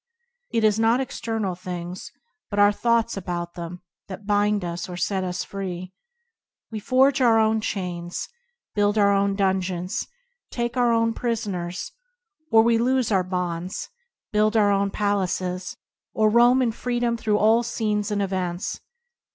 It is not external things, but our thoughts about them, that bind us or set us free. We forge our own chains, build our own dungeons, take ourselves prisoners; or we loose our bonds, build our own palaces, or roam in freedom through all scenes and events.